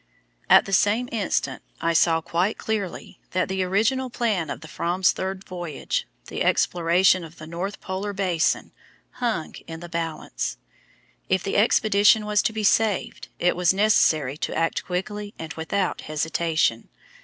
At the same instant I saw quite clearly that the original plan of the Fram's third voyage the exploration of the North Polar basin hung in the balance. If the expedition was to be saved, it was necessary to act quickly and without hesitation.